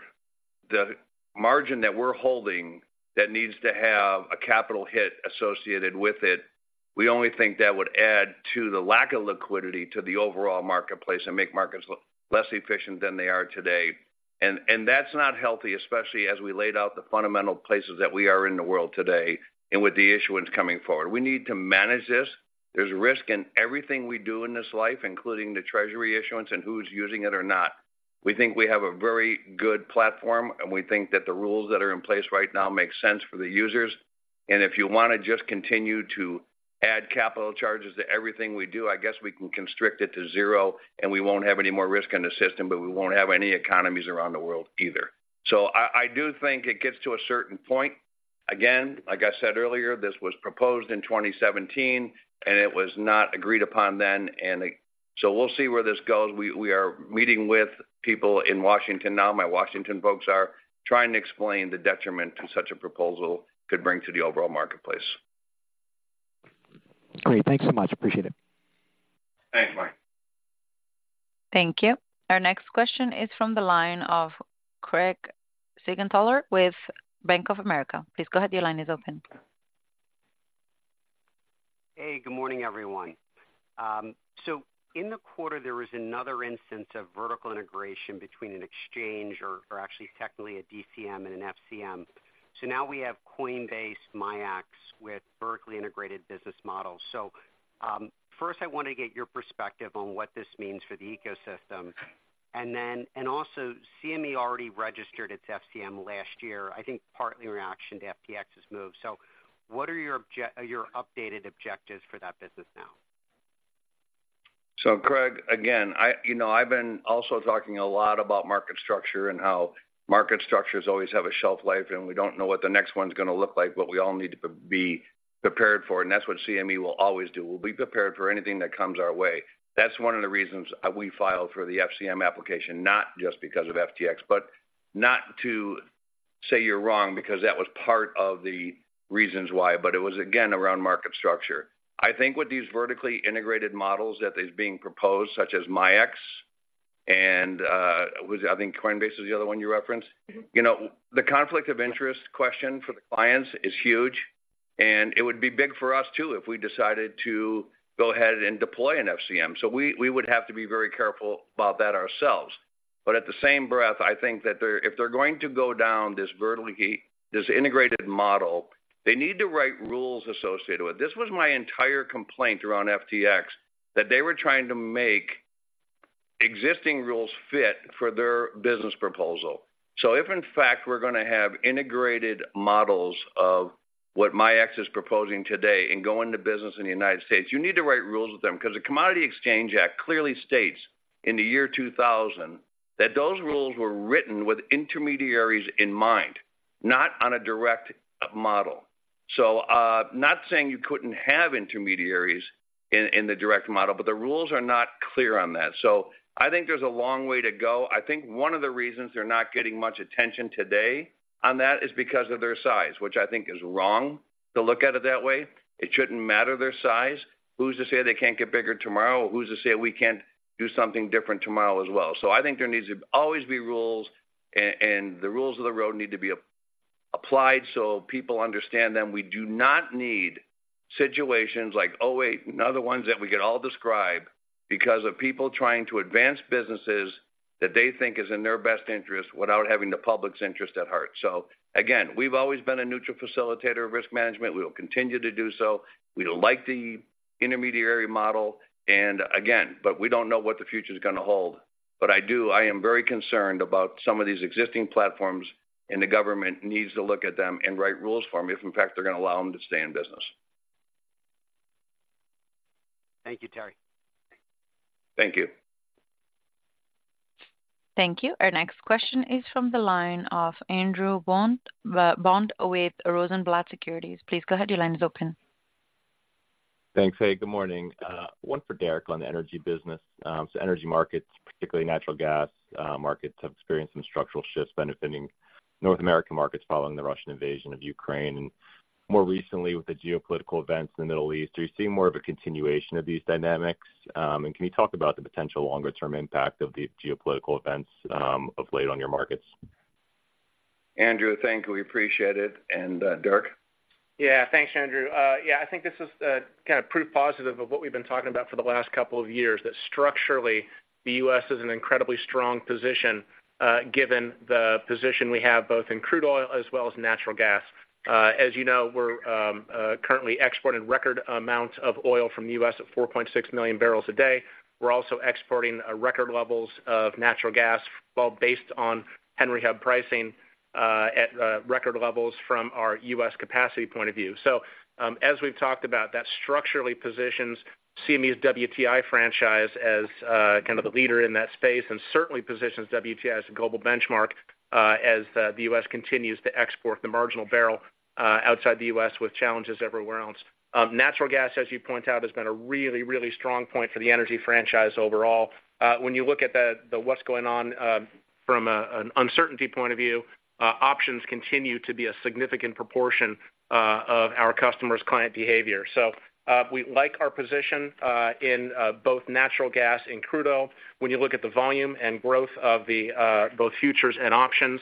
S3: the margin that we're holding that needs to have a capital hit associated with it. We only think that would add to the lack of liquidity to the overall marketplace and make markets less efficient than they are today. And that's not healthy, especially as we laid out the fundamental places that we are in the world today and with the issuance coming forward. We need to manage this. There's risk in everything we do in this life, including the Treasury issuance and who's using it or not. We think we have a very good platform, and we think that the rules that are in place right now make sense for the users. And if you want to just continue to add capital charges to everything we do, I guess we can constrict it to zero, and we won't have any more risk in the system, but we won't have any economies around the world either. So I do think it gets to a certain point. Again, like I said earlier, this was proposed in 2017, and it was not agreed upon then, and it... So we'll see where this goes. We are meeting with people in Washington now. My Washington folks are trying to explain the detriment such a proposal could bring to the overall marketplace.
S18: Great. Thank you so much. Appreciate it.
S3: Thanks, Mike.
S1: Thank you. Our next question is from the line of Craig Siegenthaler with Bank of America. Please go ahead. Your line is open.
S19: Hey, good morning, everyone. So in the quarter, there was another instance of vertical integration between an exchange or actually technically a DCM and an FCM. So now we have Coinbase, MIAX, with vertically integrated business models. So first, I want to get your perspective on what this means for the ecosystem. And then, and also, CME already registered its FCM last year, I think partly in reaction to FTX's move. So what are your objectives—your updated objectives for that business now?
S3: So, Craig, again, you know, I've been also talking a lot about market structure and how market structures always have a shelf life, and we don't know what the next one's going to look like, but we all need to be prepared for it, and that's what CME will always do. We'll be prepared for anything that comes our way. That's one of the reasons we filed for the FCM application, not just because of FTX. But not to say you're wrong, because that was part of the reasons why, but it was, again, around market structure. I think with these vertically integrated models that is being proposed, such as MIAX and was, I think, Coinbase is the other one you referenced. You know, the conflict of interest question for the clients is huge, and it would be big for us, too, if we decided to go ahead and deploy an FCM. So we, we would have to be very careful about that ourselves. But at the same breath, I think that they're, if they're going to go down this vertically, this integrated model, they need the right rules associated with it. This was my entire complaint around FTX, that they were trying to make existing rules fit for their business proposal. So if in fact, we're going to have integrated models of what MIAX is proposing today and go into business in the United States, you need to write rules with them, because the Commodity Exchange Act clearly states in the year 2000, that those rules were written with intermediaries in mind, not on a direct model. So, not saying you couldn't have intermediaries in the direct model, but the rules are not clear on that. So I think there's a long way to go. I think one of the reasons they're not getting much attention today on that is because of their size, which I think is wrong to look at it that way. It shouldn't matter their size. Who's to say they can't get bigger tomorrow? Who's to say we can't do something different tomorrow as well? So I think there needs to always be rules, and the rules of the road need to be applied so people understand them. We do not need situations like, oh, wait, another ones that we could all describe because of people trying to advance businesses that they think is in their best interest without having the public's interest at heart. So again, we've always been a neutral facilitator of risk management. We will continue to do so. We like the intermediary model, and again, but we don't know what the future is going to hold. But I do, I am very concerned about some of these existing platforms, and the government needs to look at them and write rules for them, if in fact, they're going to allow them to stay in business.
S19: Thank you, Terry.
S3: Thank you.
S1: Thank you. Our next question is from the line of Andrew Bond, Bond with Rosenblatt Securities. Please go ahead. Your line is open.
S20: Thanks. Hey, good morning. One for Derek on the energy business. So energy markets, particularly natural gas markets, have experienced some structural shifts benefiting North American markets following the Russian invasion of Ukraine. And more recently, with the geopolitical events in the Middle East, are you seeing more of a continuation of these dynamics? And can you talk about the potential longer-term impact of these geopolitical events of late on your markets?
S3: Andrew, thank you. We appreciate it. And, Derek?
S21: Yeah. Thanks, Andrew. Yeah, I think this is kind of proof positive of what we've been talking about for the last couple of years, that structurally, the U.S. is in an incredibly strong position, given the position we have, both in crude oil as well as natural gas. As you know, we're currently exporting record amounts of oil from the U.S. at 4.6 million barrels a day. We're also exporting record levels of natural gas, well, based on Henry Hub pricing, at record levels from our U.S. capacity point of view. So, as we've talked about, that structurally positions CME's WTI franchise as kind of the leader in that space, and certainly positions WTI as a global benchmark, as the U.S. continues to export the marginal barrel outside the U.S., with challenges everywhere else. Natural gas, as you point out, has been a really, really strong point for the energy franchise overall. When you look at the what's going on from an uncertainty point of view, options continue to be a significant proportion of our customers' client behavior. So, we like our position in both natural gas and crude oil. When you look at the volume and growth of both futures and options,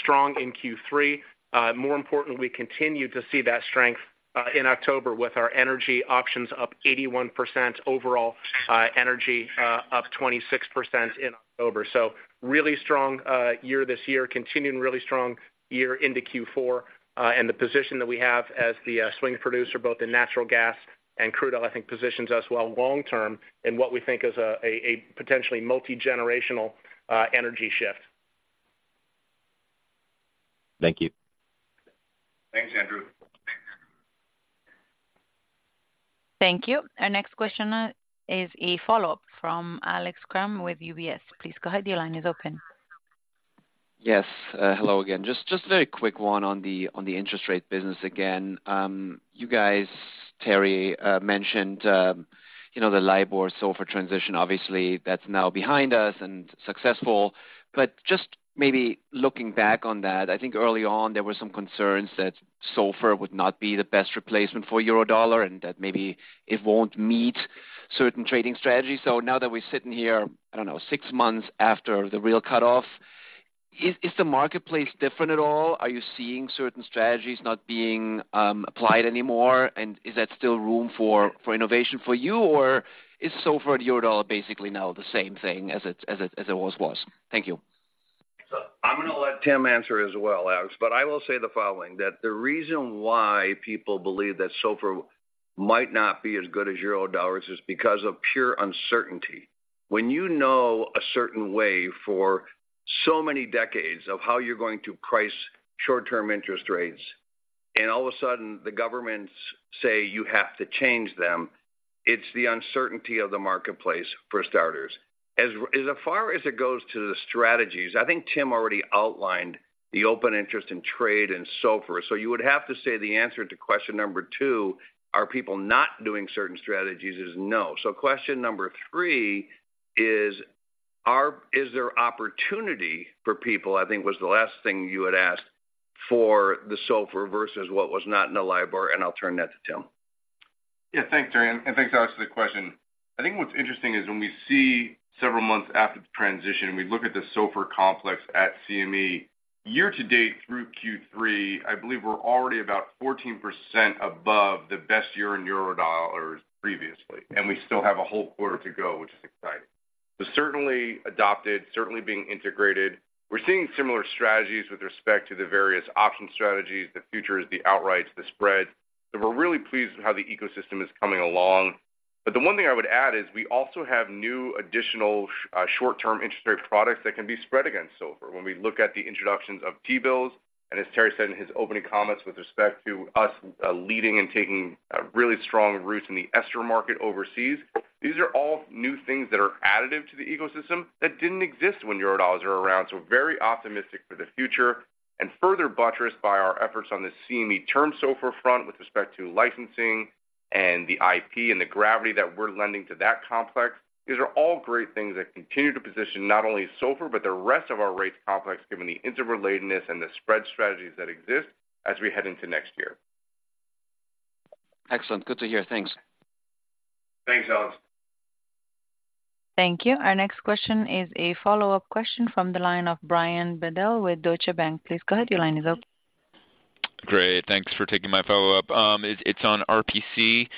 S21: strong in Q3. More importantly, we continue to see that strength in October, with our energy options up 81% overall, energy up 26% in October. So really strong year this year, continuing really strong year into Q4. And the position that we have as the swing producer, both in natural gas and crude oil, I think positions us well long term in what we think is a potentially multigenerational energy shift.
S20: Thank you.
S3: Thanks, Andrew.
S1: Thank you. Our next question is a follow-up from Alex Kramm with UBS. Please go ahead. Your line is open.
S7: Yes, hello again. Just a very quick one on the interest rate business again. You guys, Terry, mentioned, you know, the LIBOR SOFR transition. Obviously, that's now behind us and successful. But just maybe looking back on that, I think early on, there were some concerns that SOFR would not be the best replacement for Eurodollar, and that maybe it won't meet certain trading strategies. So now that we're sitting here, I don't know, six months after the real cutoff, is the marketplace different at all? Are you seeing certain strategies not being applied anymore? And is there still room for innovation for you, or is SOFR and Eurodollar basically now the same thing as it always was? Thank you.
S3: So I'm going to let Tim answer as well, Alex. But I will say the following, that the reason why people believe that SOFR might not be as good as Eurodollars is because of pure uncertainty. When you know a certain way for so many decades of how you're going to price short-term interest rates, and all of a sudden, the governments say you have to change them, it's the uncertainty of the marketplace for starters. As far as it goes to the strategies, I think Tim already outlined the open interest in trade and SOFR. So you would have to say the answer to question number two, are people not doing certain strategies, is no. So question number three is, is there opportunity for people, I think was the last thing you had asked for the SOFR versus what was not in the LIBOR, and I'll turn that to Tim.
S9: Yeah, thanks, Terry, and thanks, Alex, for the question. I think what's interesting is when we see several months after the transition, and we look at the SOFR complex at CME, year to date through Q3, I believe we're already about 14% above the best year in Eurodollars previously, and we still have a whole quarter to go, which is exciting. So certainly adopted, certainly being integrated. We're seeing similar strategies with respect to the various option strategies, the futures, the outrights, the spreads. So we're really pleased with how the ecosystem is coming along. But the one thing I would add is we also have new additional short-term interest rate products that can be spread against SOFR. When we look at the introductions of T-bills, and as Terry said in his opening comments with respect to us, leading and taking, really strong roots in the ESTR market overseas, these are all new things that are additive to the ecosystem that didn't exist when Eurodollars were around. So very optimistic for the future, and further buttressed by our efforts on the CME Term SOFR front with respect to licensing and the IP and the gravity that we're lending to that complex. These are all great things that continue to position not only SOFR, but the rest of our rates complex, given the interrelatedness and the spread strategies that exist as we head into next year.
S7: Excellent. Good to hear. Thanks.
S3: Thanks, Alex.
S1: Thank you. Our next question is a follow-up question from the line of Brian Bedell with Deutsche Bank. Please go ahead. Your line is open.
S11: Great, thanks for taking my follow-up. It's on RPC.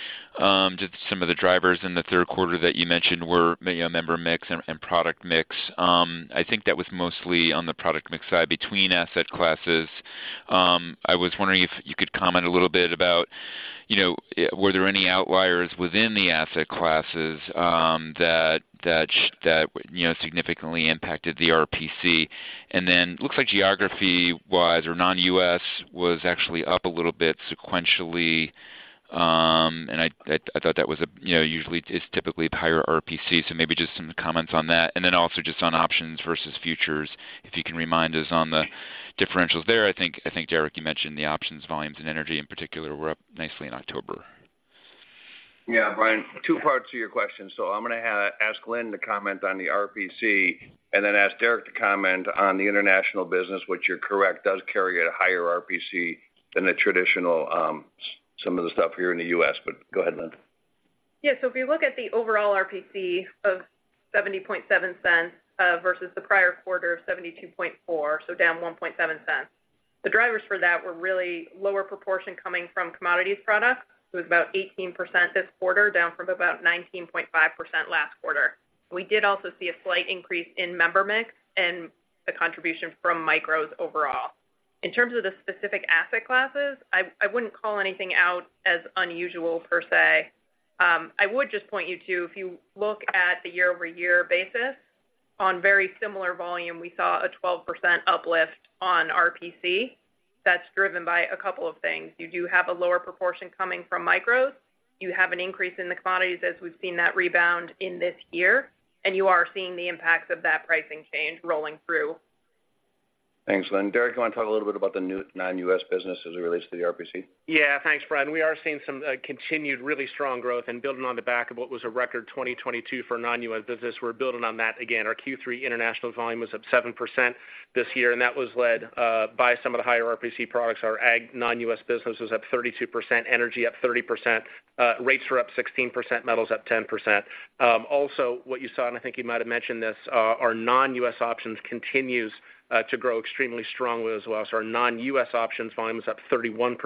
S11: Just some of the drivers in the third quarter that you mentioned were, you know, member mix and product mix. I think that was mostly on the product mix side between asset classes. I was wondering if you could comment a little bit about, you know, were there any outliers within the asset classes that you know, significantly impacted the RPC? And then looks like geography-wise or non-US was actually up a little bit sequentially, and I thought that was a, you know, usually it's typically the higher RPC, so maybe just some comments on that. And then also just on options versus futures, if you can remind us on the differentials there. I think, Derek, you mentioned the options volumes and energy in particular were up nicely in October.
S3: Yeah, Brian, two parts to your question. So I'm going to ask Lynne to comment on the RPC, and then ask Derek to comment on the international business, which you're correct, does carry a higher RPC than the traditional, some of the stuff here in the U.S. But go ahead, Lynne.
S4: Yeah, so if you look at the overall RPC of $0.707, versus the prior quarter of $0.724, so down $0.017, the drivers for that were really lower proportion coming from commodities products. It was about 18% this quarter, down from about 19.5% last quarter. We did also see a slight increase in member mix and the contribution from micros overall. In terms of the specific asset classes, I wouldn't call anything out as unusual per se. I would just point you to, if you look at the year-over-year basis, on very similar volume, we saw a 12% uplift on RPC. That's driven by a couple of things. You do have a lower proportion coming from micros, you have an increase in the commodities as we've seen that rebound in this year, and you are seeing the impacts of that pricing change rolling through.
S3: Thanks, Lynne. Derek, you want to talk a little bit about the new non-U.S. business as it relates to the RPC?
S21: Yeah, thanks, Brian. We are seeing some continued really strong growth and building on the back of what was a record 2022 for non-U.S. business. We're building on that again. Our Q3 international volume was up 7% this year, and that was led by some of the higher RPC products. Our Ag Non-U.S. Business was up 32%, energy up 30%, rates were up 16%, metals up 10%. Also, what you saw, and I think you might have mentioned this, our non-U.S. options continues to grow extremely strongly as well. So our non-U.S. options volume is up 31%,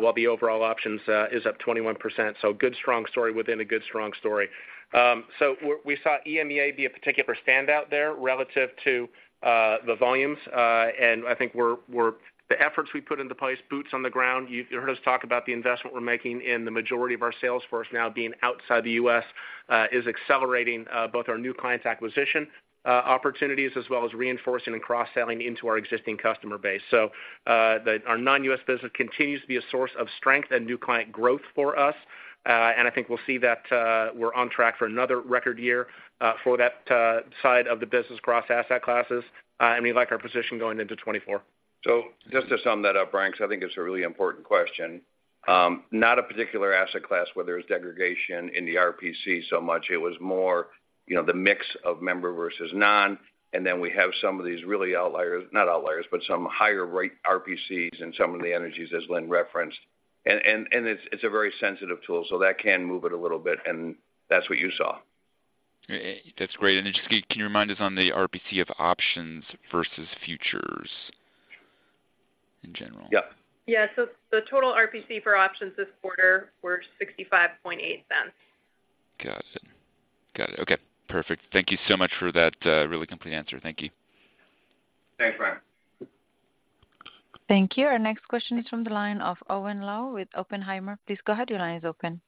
S21: while the overall options is up 21%. So good, strong story within a good, strong story. So we saw EMEA be a particular standout there relative to the volumes. And I think the efforts we put into place, boots on the ground, you heard us talk about the investment we're making in the majority of our sales force now being outside the U.S., is accelerating both our new clients' acquisition opportunities, as well as reinforcing and cross-selling into our existing customer base. So, our Non-U.S. Business continues to be a source of strength and new client growth for us, and I think we'll see that, we're on track for another record year for that side of the business across asset classes, and we like our position going into 2024.
S3: So just to sum that up, Brian, because I think it's a really important question. Not a particular asset class where there's degradation in the RPC so much. It was more, you know, the mix of member versus non, and then we have some of these really outliers, not outliers, but some higher rate RPCs and some of the energies, as Lynne referenced. And it's a very sensitive tool, so that can move it a little bit, and that's what you saw.
S11: That's great. And then just, can you remind us on the RPC of options versus futures in general?
S3: Yep.
S4: Yeah. So the total RPC for options this quarter were $0.658.
S11: Got it. Got it. Okay, perfect. Thank you so much for that, really complete answer. Thank you.
S3: Thanks, Brian.
S1: Thank you. Our next question is from the line of Owen Lau with Oppenheimer. Please go ahead, your line is open.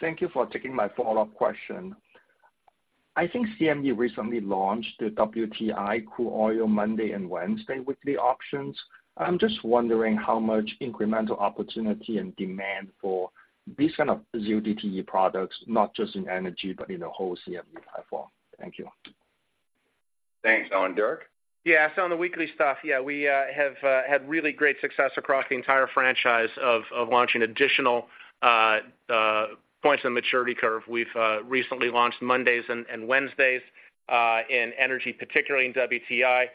S10: Thank you for taking my follow-up question. I think CME recently launched the WTI Crude Oil Monday and Wednesday Weekly Options. I'm just wondering how much incremental opportunity and demand for these kind of zero DTE products, not just in energy, but in the whole CME platform. Thank you.
S3: Thanks, Owen. Derek?
S21: Yeah, so on the weekly stuff, yeah, we have had really great success across the entire franchise of launching additional points on the maturity curve. We've recently launched Mondays and Wednesdays in energy, particularly in WTI.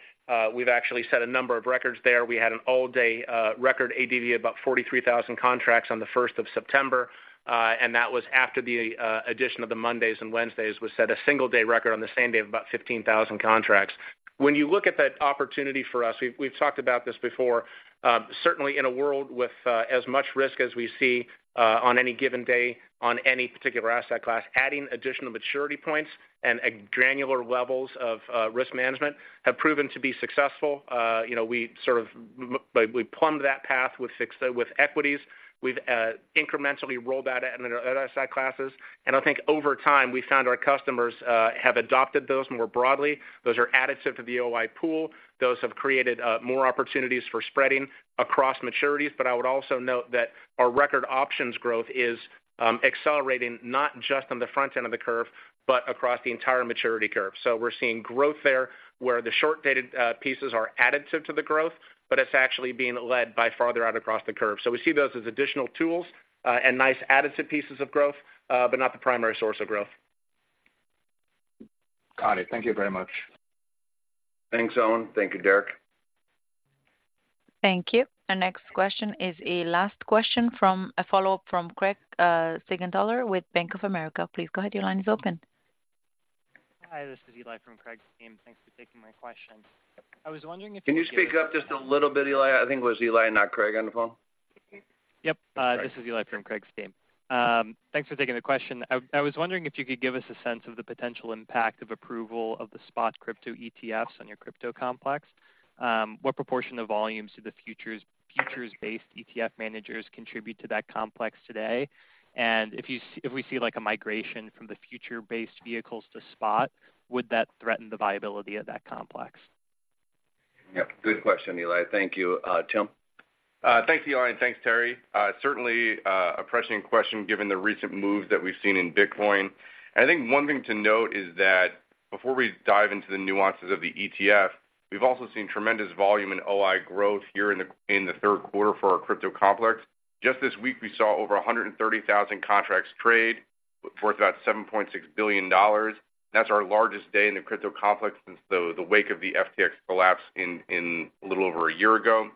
S21: We've actually set a number of records there. We had an all-day record ADV, about 43,000 contracts on the first of September, and that was after the addition of the Mondays and Wednesdays. We set a single day record on the same day of about 15,000 contracts. When you look at that opportunity for us, we've talked about this before, certainly in a world with as much risk as we see on any given day, on any particular asset class, adding additional maturity points and granular levels of risk management have proven to be successful. You know, we sort of we plumbed that path with equities. We've incrementally rolled out in our other asset classes, and I think over time, we found our customers have adopted those more broadly. Those are additive to the OI pool. Those have created more opportunities for spreading across maturities. But I would also note that our record options growth is accelerating, not just on the front end of the curve, but across the entire maturity curve. So we're seeing growth there, where the short-dated pieces are additive to the growth, but it's actually being led by farther out across the curve. So we see those as additional tools and nice additive pieces of growth, but not the primary source of growth.
S10: Got it. Thank you very much.
S3: Thanks, Owen. Thank you, Derek.
S1: Thank you. Our next question is a last question from a follow-up from Craig Siegenthaler, with Bank of America. Please go ahead. Your line is open.
S13: Hi, this is Eli from Craig Team. Thanks for taking my question. I was wondering if-
S3: Can you speak up just a little bit, Eli? I think it was Eli, not Craig, on the phone.
S22: Yep, this is Eli from Craig's team. Thanks for taking the question. I was wondering if you could give us a sense of the potential impact of approval of the spot crypto ETFs on your crypto complex. What proportion of volumes do the futures, futures-based ETF managers contribute to that complex today? And if we see, like, a migration from the futures-based vehicles to spot, would that threaten the viability of that complex?
S3: Yep, good question, Eli. Thank you. Tim?
S9: Thanks, Eli, and thanks, Terry. Certainly, a pressing question given the recent moves that we've seen in Bitcoin. And I think one thing to note is that before we dive into the nuances of the ETF, we've also seen tremendous volume in OI growth here in the third quarter for our crypto complex. Just this week, we saw over 130,000 contracts trade, worth about $7.6 billion. That's our largest day in the crypto complex since the wake of the FTX collapse in a little over a year ago.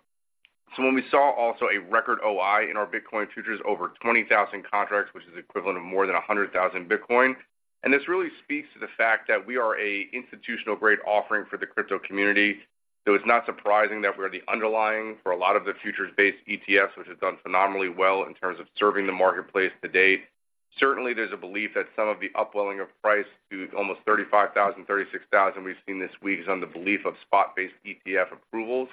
S9: So when we saw also a record OI in our Bitcoin futures, over 20,000 contracts, which is equivalent of more than 100,000 Bitcoin, and this really speaks to the fact that we are a institutional-grade offering for the crypto community. So it's not surprising that we're the underlying for a lot of the futures-based ETFs, which have done phenomenally well in terms of serving the marketplace to date. Certainly, there's a belief that some of the upwelling of price to almost $35,000-$36,000 we've seen this week is on the belief of spot-based ETF approvals.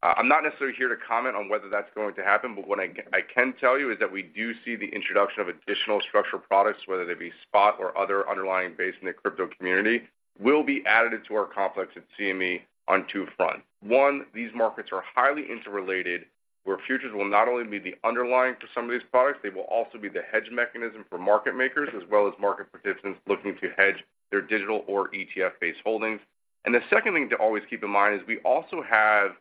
S9: I'm not necessarily here to comment on whether that's going to happen, but what I can tell you is that we do see the introduction of additional structured products, whether they be spot or other underlying basis in the crypto community, will be added to our complex at CME on two fronts. One, these markets are highly interrelated, where futures will not only be the underlying for some of these products, they will also be the hedge mechanism for market makers, as well as market participants looking to hedge their digital or ETF-based holdings. And the second thing to always keep in mind is we also have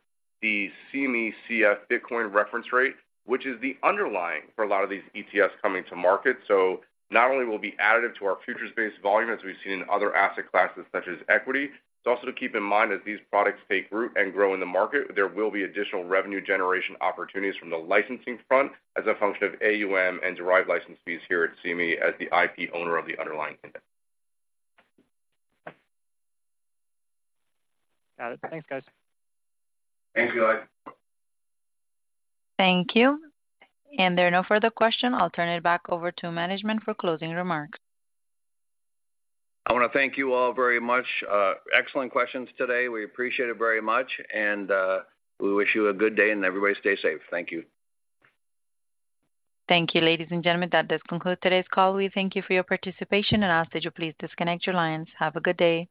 S9: the CME CF Bitcoin Reference Rate, which is the underlying for a lot of these ETFs coming to market. So not only will be additive to our futures-based volume, as we've seen in other asset classes, such as equity, it's also to keep in mind as these products take root and grow in the market, there will be additional revenue generation opportunities from the licensing front as a function of AUM and derived license fees here at CME as the IP owner of the underlying index.
S22: Got it. Thanks, guys.
S3: Thanks, Eli.
S1: Thank you. There are no further question. I'll turn it back over to management for closing remarks.
S3: I want to thank you all very much. Excellent questions today. We appreciate it very much, and we wish you a good day, and everybody stay safe. Thank you.
S1: Thank you, ladies and gentlemen. That does conclude today's call. We thank you for your participation and ask that you please disconnect your lines. Have a good day!